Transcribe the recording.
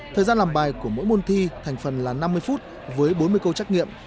thời gian làm bài của mỗi môn thi thành phần là năm mươi phút với bốn mươi câu trắc nghiệm